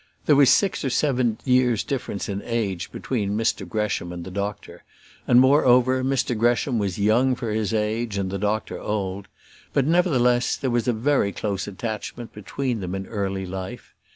There was six or seven years' difference in age between Mr Gresham and the doctor, and, moreover, Mr Gresham was young for his age, and the doctor old; but, nevertheless, there was a very close attachment between them early in life.